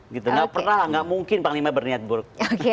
tidak pernah nggak mungkin panglima berniat buruk